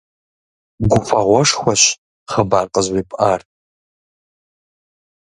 Гуфӏэгъуэшхуэщ хъыбар къызжепӏар.